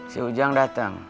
si ujang dateng